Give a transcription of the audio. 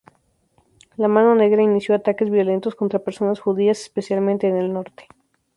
La Mano Negra inició ataques violentos contra personas judías, especialmente en el norte.